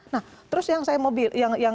nah terus yang saya mau